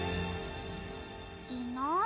いない？